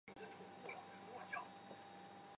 毕业于中央党校函授学院经济管理专业。